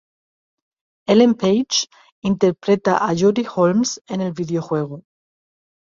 Ellen Page interpreta a Jodie Holmes en el videojuego.